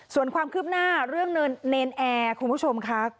ส่วนความคืบหน้าเรื่องเนรนแอร์คุณผู้ชมค่ะ